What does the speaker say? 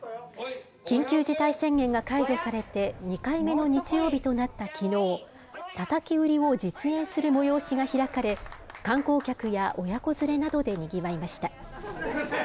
緊急事態宣言が解除されて、２回目の日曜日となったきのう、たたき売りを実演する催しが開かれ、観光客や親子連れなどでにぎわいました。